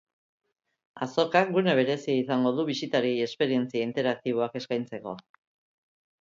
Azokak gune berezia izango du bisitariei esperientzia interaktiboak eskaintzeko.